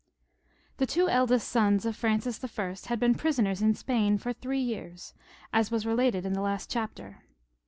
The two eldest sons of Francis I. had been prisoners in Spain for three years, as I said in the last chapter.